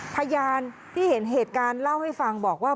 พยานที่เห็นเหตุการณ์เล่าให้ฟังบอกว่า